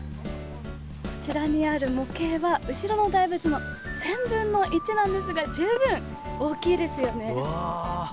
こちらにある模型は後ろの大仏の１０００分の１なのですが十分大きいですよね。